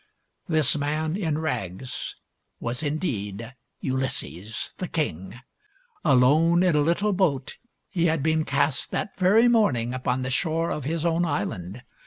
This man in rags was indeed Ulysses, the king. Alone in a little boat he had been cast, that very morning, upon the shore of his own island.